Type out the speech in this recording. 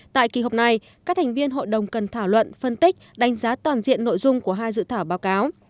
tại kỳ họp này các thành viên hội đồng cần thảo luận phân tích đánh giá toàn diện nội dung của hai dự thảo báo cáo